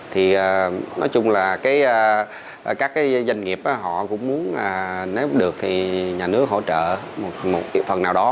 thì nói chung là các cái doanh nghiệp họ cũng muốn nếu được thì nhà nước hỗ trợ một phần nào đó